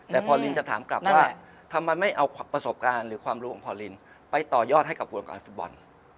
แต่พอลินจะถามกลับว่าทำไมไม่เอาประสบการณ์หรือความรู้ของพอลินไปต่อยอดให้กับวงการฟุตบอล